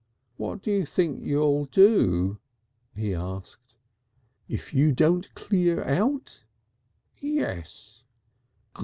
"What do you think you'll do?" he asked. "If you don't clear out?" "Yes."